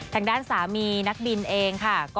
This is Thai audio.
ทางด้านสามีนักบินเองค่ะ